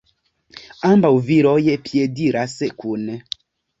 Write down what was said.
Ambaŭ viroj piediras kune.